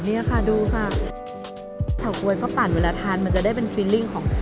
เนี่ยค่ะดูค่ะเฉาก๊วยก็ปั่นเวลาทานมันจะได้เป็น